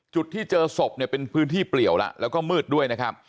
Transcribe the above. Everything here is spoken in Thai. จุดที่เจอศพเนี่ยเป็นพื้นที่เปลี่ยวแล้วแล้วก็มืดด้วยนะครับ